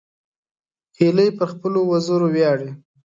هیلۍ پر خپلو وزرو ویاړي